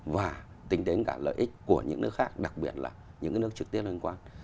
và tính đến cả lợi ích của những nước khác đặc biệt là những nước trực tiếp liên quan